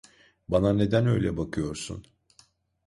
Bana neden öyle bakıyorsun?